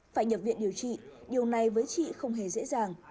phải nhập viện điều trị điều này với chị không hề dễ dàng